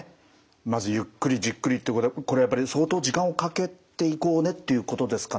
まず「ゆっくりじっくり」ってことはこれはやっぱり相当時間をかけていこうねっていうことですかね。